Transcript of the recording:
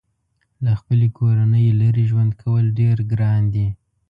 له خپلې کورنۍ لرې ژوند کول ډېر ګران دي.